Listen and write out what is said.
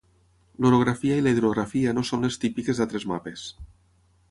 L'orografia i la hidrografia no són les típiques d'altres mapes.